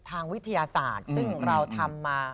ทางวิทยาศาสตร์ซึ่งเราทำมา